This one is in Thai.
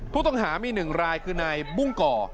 ผู้ต้องหามีหนึ่งรายคือในบุ้งก่อ